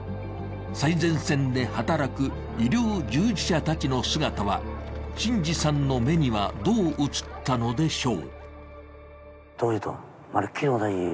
最前線で働く医療従事者たちの姿は進士さんの目には、どう映ったのでしょう。